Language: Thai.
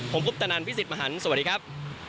ผมคุปตะนันพี่สิทธิ์มหันฯสวัสดีครับ